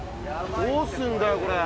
どうすんだよ、これ。